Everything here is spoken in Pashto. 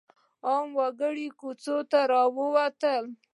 عامو وګړو کوڅو ته راووتل.